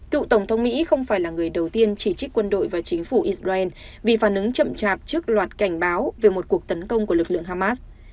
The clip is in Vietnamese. cựu tổng thống mỹ không phải là người đầu tiên chỉ trích quân đội và chính phủ israel vì phản ứng chậm chạp trước loạt cảnh báo về một cuộc tấn công của lực lượng hamas